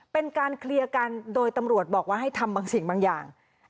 เป็นการเคลียร์กันโดยตำรวจบอกว่าให้ทำบางสิ่งบางอย่าง